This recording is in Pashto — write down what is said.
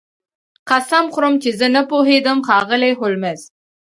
قسم خورم چې زه نه پوهیږم ښاغلی هولمز